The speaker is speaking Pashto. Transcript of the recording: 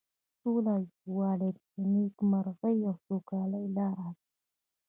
سوله او یووالی د نیکمرغۍ او سوکالۍ لاره ده.